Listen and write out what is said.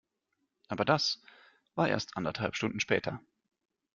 Aber das war erst anderthalb Stunden später.